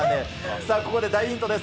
さあ、ここで大ヒントです。